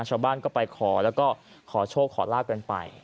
ชาวบ้านก็ไปขอแล้วก็ขอโชคขอลาบกันไป